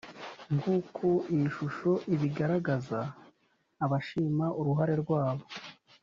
nk uko iyi shusho ibigaragaza abashima uruhare rwabo